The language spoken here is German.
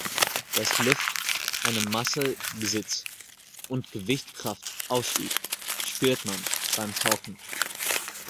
Dass Luft eine Masse besitzt und Gewichtskraft ausübt, spürt man beim Tauchen.